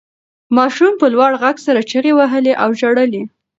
ماشوم په لوړ غږ سره چیغې وهلې او ژړل یې.